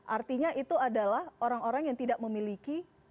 artinya itu adalah orang orang yang tidak memiliki